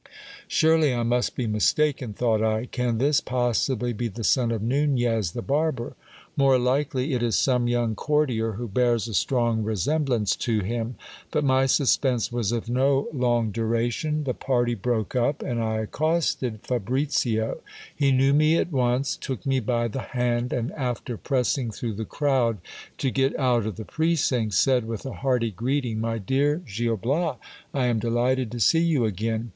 Surely I must be mistaken ! thought I. Can this possibly be the son of Xunez the barber ? More likely it is some young courtier who bears a strong resemblance to him. But my suspense was of no long duration. The party broke up, and I accosted Fabricio. He knew me at once ; took me by the hand, and after pressing through the crowd to get out of the precincts, said with a hearty greeting, My dear Gil Bias, I am delighted to see you again.